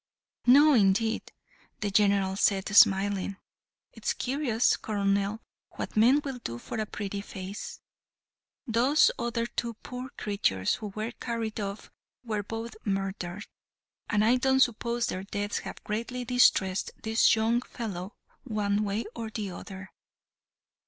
"No, indeed," the General said, smiling. "It's curious, colonel, what men will do for a pretty face. Those other two poor creatures who were carried off were both murdered, and I don't suppose their deaths have greatly distressed this young fellow one way or the other.